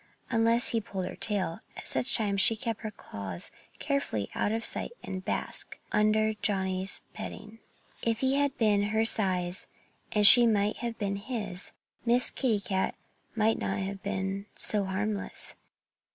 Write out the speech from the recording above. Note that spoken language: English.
Unless he pulled her tail at such times she kept her claws carefully out of sight and basked under Johnnie's petting. If he had been her size and she had been his, Miss Kitty Cat might not have been so harmless.